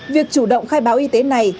việc chủ động khai báo y tế này